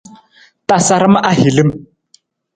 Tasaram ahilim.